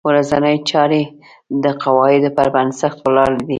ورځنۍ چارې د قواعدو په بنسټ ولاړې دي.